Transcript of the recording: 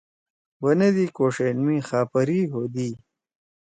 بنَدی کوݜئین می خاپری ہودی۔